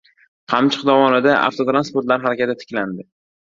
Qamchiq dovonida avtotransportlar harakati tiklandi.